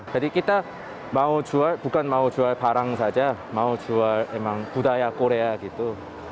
kita bukan mau jual barang saja mau jual emang budaya korea gitu